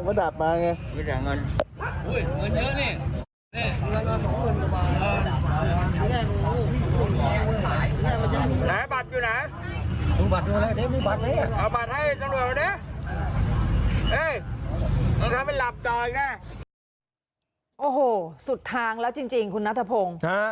โอ้โหสุดทางแล้วจริงคุณนัทพงศ์